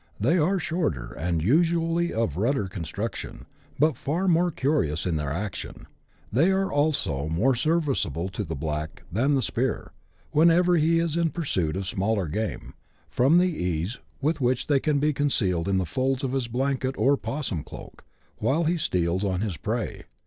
They are shorter, and usually of ruder construction, but far more curious in their action ; they are also more service able to the black than the spear, whenever he is in pursuit of smaller game, from the ease with which they can be concealed in the folds of his blanket or opossum cloak, while he steals on his prey.